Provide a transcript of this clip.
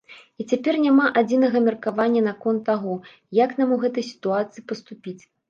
І цяпер няма адзінага меркавання наконт таго, як нам у гэтай сітуацыі паступіць.